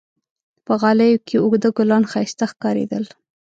په غالیو کې اوږده ګلان ښایسته ښکارېدل.